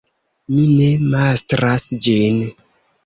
Mi ne mastras ĝin.